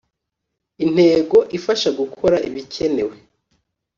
intego ifasha gukora ibikenewe.